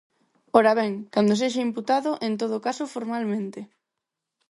Ora ben, cando sexa imputado en todo caso formalmente.